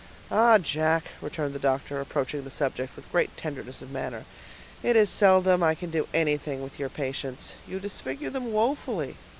"Ah! Jack," returned the doctor, approaching the subject with great tenderness of manner, "it is seldom I can do anything with your patients; you disfigure them woefully.